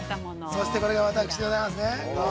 ◆そしてこれが私でございますね。